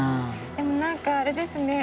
でもなんかあれですね。